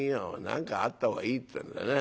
何かあった方がいいってんだよね。